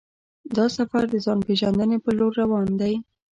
دا سفر د ځان پېژندنې پر لور روان دی.